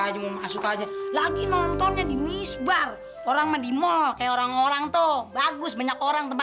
dulu lagi nontonnya di misbar orang orang tuh bagus banyak orang